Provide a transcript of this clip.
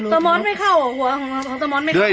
เด้อยโหแล้ว